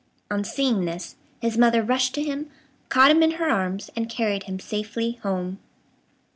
On seeing this, his mother rushed to him, caught him in her arms, and carried him safely home.